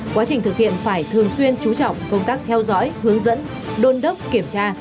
quá trình thực hiện phải thường xuyên chú trọng công tác theo dõi hướng dẫn đôn đốc kiểm tra